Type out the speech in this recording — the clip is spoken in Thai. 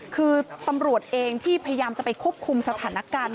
คือตำรวจเองที่พยายามจะไปควบคุมสถานการณ์